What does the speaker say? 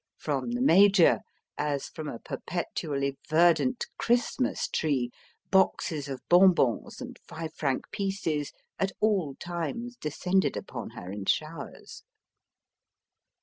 From the Major, as from a perpetually verdant Christmas tree, boxes of bonbons and five franc pieces at all times descended upon her in showers.